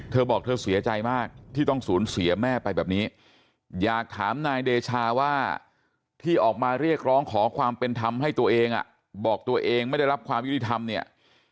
เธอบอกเธอเสียใจมากที่ต้องสูญเสียแม่ไปแบบนี้อยากถามนายเดชาว่าที่ออกมาเรียกร้องขอความเป็นธรรมให้ตัวเองอ่ะบอกตัวเองไม่ได้รับความยุติธรรมเนี่ย